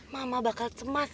mama bakal cemas